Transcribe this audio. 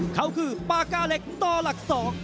เขาคือปากาเล็กต่อหลัก๒